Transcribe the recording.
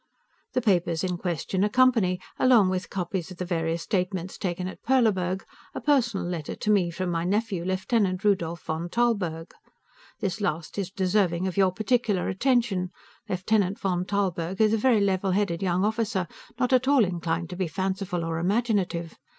The papers in question accompany, along with copies of the various statements taken at Perleburg, a personal letter to me from my nephew, Lieutenant Rudolf von Tarlburg. This last is deserving of your particular attention; Lieutenant von Tarlburg is a very level headed young officer, not at all inclined to be fanciful or imaginative.